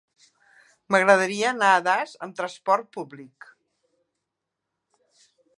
M'agradaria anar a Das amb trasport públic.